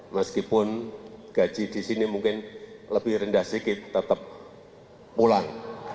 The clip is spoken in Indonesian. meskipun gaji disini mungkin lebih rendah sikit tetap pulang